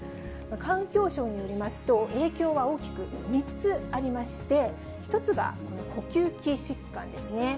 環境省によりますと、影響は大きく３つありまして、１つが呼吸器疾患ですね。